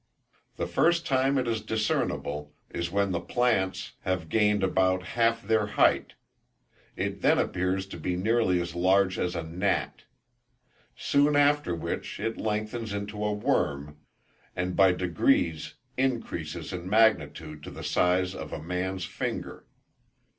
The first time it is discernible, is when the plants have gained about half their height: it then appears to be nearly as large as a gnat; soon after which it lengthens into a worm, and by degrees increases in magnitude to the size of a man's finger.